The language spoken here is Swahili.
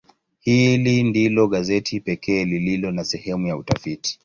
Hili ndilo gazeti pekee lililo na sehemu ya utafiti.